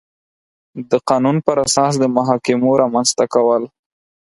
د قانون پر اساس د محاکمو رامنځ ته کول